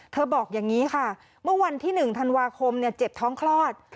บอกอย่างนี้ค่ะเมื่อวันที่๑ธันวาคมเจ็บท้องคลอด